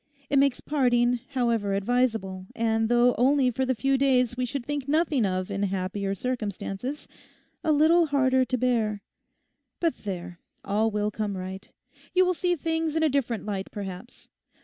It makes parting, however advisable, and though only for the few days we should think nothing of in happier circumstances, a little harder to bear. But there, all will come right. You will see things in a different light, perhaps.